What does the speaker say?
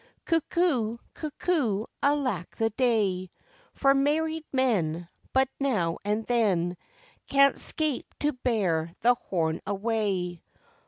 Cuckoo! cuckoo! alack the day! For married men But now and then, Can 'scape to bear the horn away.